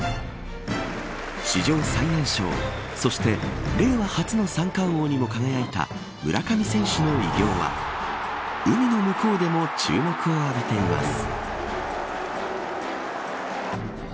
史上最年少そして令和初の三冠王にも輝いた村上選手の偉業は海の向こうでも注目を浴びています。